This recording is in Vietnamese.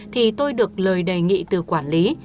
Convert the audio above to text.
thì tôi được lời đề nghị từ quản lý